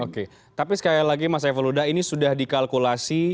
oke tapi sekali lagi mas saiful huda ini sudah dikalkulasi